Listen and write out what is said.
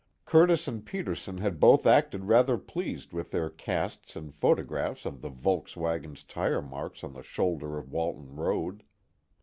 Curtis and Peterson had both acted rather pleased with their casts and photographs of the Volkswagen's tire marks on the shoulder of Walton Road.